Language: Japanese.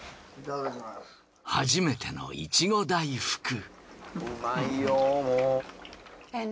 初めてのいちご大福。